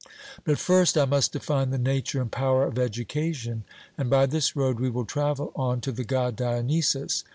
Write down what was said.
But, first, I must define the nature and power of education, and by this road we will travel on to the God Dionysus.